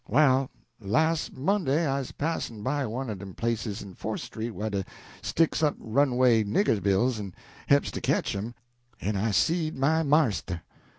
"Well, las' Monday I 'uz pass'n' by one o' dem places in Fourth street whah deh sticks up runaway nigger bills, en he'ps to ketch 'em, en I seed my marster!